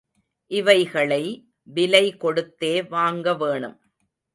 இவைகளை விலை கொடுத்தே வாங்க வேணும்.